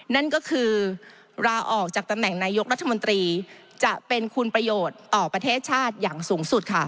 นั่นก็คือลาออกจากตำแหน่งนายกรัฐมนตรีจะเป็นคุณประโยชน์ต่อประเทศชาติอย่างสูงสุดค่ะ